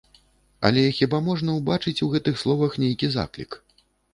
Але хіба можна ўбачыць у гэтых словах нейкі заклік?